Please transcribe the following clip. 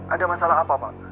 ada masalah apa pak